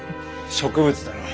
植物だろう？